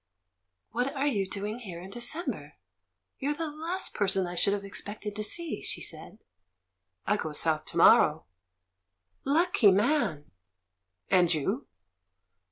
"What are you doing here in December? You're the last person I should have expected to see," she said. "I go South to morrow." "Lucky man!" "And you?"